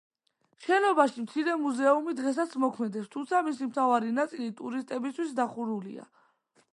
შენობაში მცირე მუზეუმი დღესაც მოქმედებს, თუმცა მისი მთავარი ნაწილი ტურისტებისთვის დახურულია.